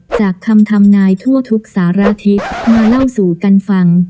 จากคำทำนายทั่วทุกสารทิศมาเล่าสู่กันฟัง